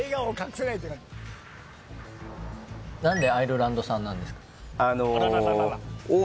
何でアイルランド産なんですか？